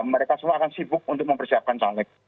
mereka semua akan sibuk untuk mempersiapkan caleg